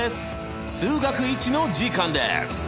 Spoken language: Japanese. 数学Ⅰの時間です。